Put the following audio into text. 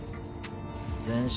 全身